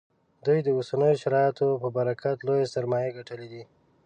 دوی د اوسنیو شرایطو په برکت لویې سرمایې ګټلې دي